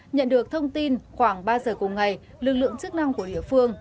nhận được thông tin khoảng ba giờ cùng ngày lực lượng chức năng của địa phương